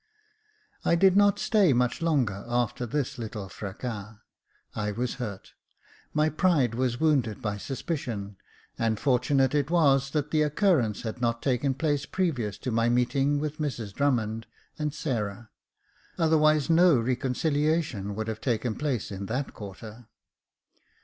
I did not stay much longer after this little fracas j I was hurt — my pride was wounded by suspicion, and fortunate it was that the occurrence had not taken place previous to my meeting with Mrs Drummond and Sarah, otherwise no reconciliation would have taken place in that quarter.